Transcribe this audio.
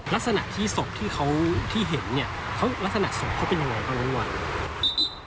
ลักษณะที่ศพที่เขาที่เห็นเนี่ยลักษณะศพเขาเป็นยังไงของเขารังหวัง